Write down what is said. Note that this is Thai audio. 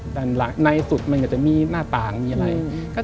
ในสุดมันก็จะมีหน้าต่างมีอะไร